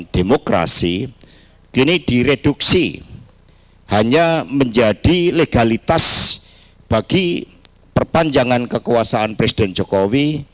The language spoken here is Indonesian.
demokrasi kini direduksi hanya menjadi legalitas bagi perpanjangan kekuasaan presiden jokowi